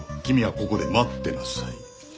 君はここで待ってなさい。